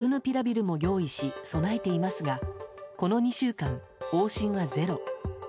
飲み薬のモルヌピラビルも用意し、備えていますがこの２週間、往診はゼロ。